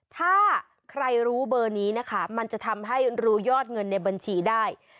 ถ้าใครรู้เบอร์นี้นะคะมันจะทำให้รู้ยอดเงินในบัญชีได้